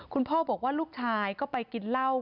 คุณพ่อบอกว่าลูกชายก็ไปกินแล้วนะครับ